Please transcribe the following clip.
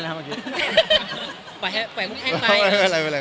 ปล่อยแพงปี้ชงเลย